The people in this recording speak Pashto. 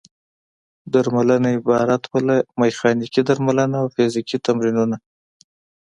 درملنه عبارت وه له: میخانیکي درملنه او فزیکي تمرینونه.